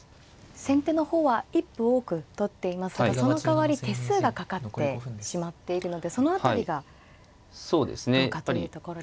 先手の方は一歩多く取っていますがそのかわり手数がかかってしまっているのでその辺りがどうかというところですか。